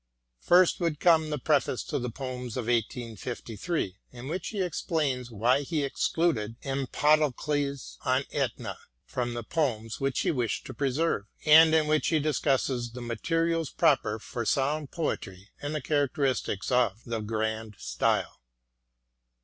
First would come the preface to the Poems of 1853, in which he explains why he excluded " Empedocles on Etna " from the poems which he wished to preserve, and in which he discusses the materials proper for sound poetry and the characteristics of " the grand style."